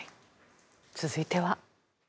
続いては。